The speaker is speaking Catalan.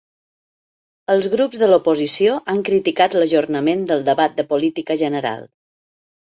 Els grups de l’oposició han criticat l’ajornament del debat de política general.